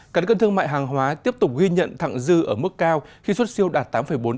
cảnh cân thương mại hàng hóa tiếp tục ghi nhận thẳng dư ở mức cao khi xuất siêu đạt tám bốn tỷ usd